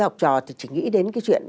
học trò thì chỉ nghĩ đến cái chuyện